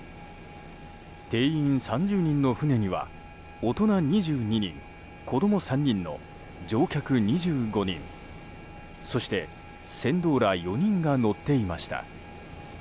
定員３０人の船には大人２２人、子供３人の乗客２５人そして船頭ら４人が乗っていました。